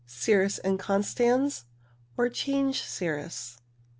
Cirrus inconstans, or Change cirrus.